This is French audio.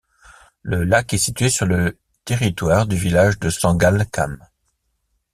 Le lac est situé sur le territoire du village de Sangalkam.